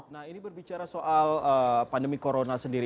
nah ini berbicara soal pandemi corona sendiri